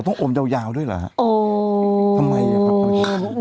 อ๋อต้องอมยาวด้วยเหรอฮะทำไมครับค่ะ